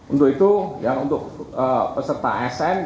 untuk itu untuk peserta asn